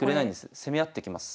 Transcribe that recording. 攻め合ってきます。